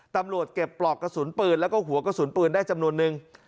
ตำรวจเก็บปลอกกระสุนปืนแล้วก็หัวกระสุนปืนได้จำนวนนึง